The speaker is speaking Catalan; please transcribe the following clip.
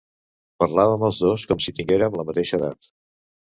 Parlàvem els dos com si tinguérem la mateixa edat.